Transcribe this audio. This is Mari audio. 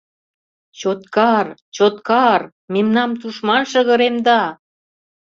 — Чоткар, Чоткар, мемнам тушман шыгыремда!